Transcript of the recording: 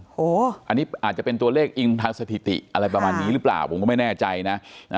โอ้โหอันนี้อาจจะเป็นตัวเลขอิงทางสถิติอะไรประมาณนี้หรือเปล่าผมก็ไม่แน่ใจนะ